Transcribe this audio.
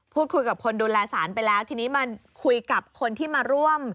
พูดคุยกับคนดูแลสารไปแล้วทีนี้มาคุยกับคนที่มาร่วม